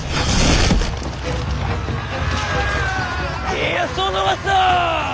家康を逃すな！